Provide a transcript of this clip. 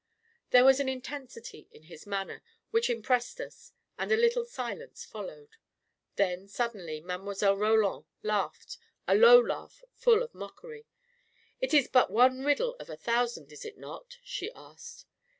There was an intensity in his manner which im pressed us, and a little silence followed. Then, sud denly, Mile. Roland laughed — a low laugh full of mockery. " It is but one riddle of a thousand, is it not? " she asked.